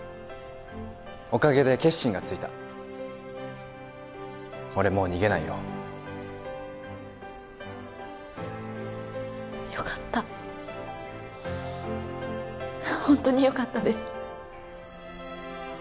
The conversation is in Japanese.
おかげで決心がついた俺もう逃げないよよかったホントによかったです